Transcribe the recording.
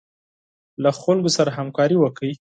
له خلکو سره همکاري وکړئ.